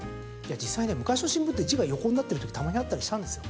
実際、昔の新聞って字が横になってる時たまにあったりしたんですよ。